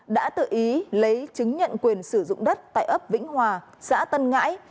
đã tự ý lấy chứng nhận quyền sử dụng đất tại ấp vĩnh hòa xã tân ngãi